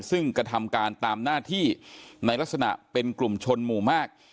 ซึ่งกระทำการตามหน้าที่ในลักษณะเป็นกลุ่มชนหมู่มาก